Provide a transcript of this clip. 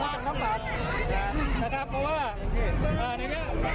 นะครับเพราะว่าอ่าในเมื่อมันเป็นแห้งใจการเมืองแล้วเอ่อ